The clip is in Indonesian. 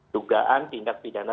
dugaan tindak pidana